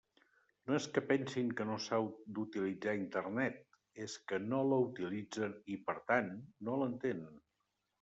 No és que pensin que no s'ha d'utilitzar Internet, és que no la utilitzen i, per tant, no l'entenen.